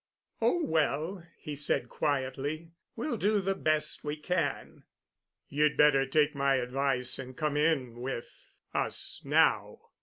"Oh, well," he said quietly, "we'll do the best we can." "You'd better take my advice and come in with, us now.